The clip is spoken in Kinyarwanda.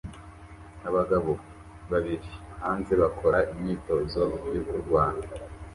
Abagabo babiri hanze bakora imyitozo yo kurwana